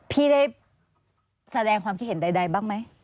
พี่ได้แสดงความคิดเห็นใดบ้างไหม